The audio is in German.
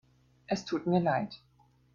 Es tut mir leid.